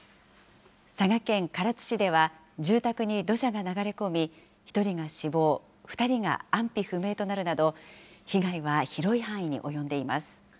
佐賀県唐津市では住宅に土砂が流れ込み、１人が死亡、２人が安否不明となるなど、被害は広い範囲に及んでいます。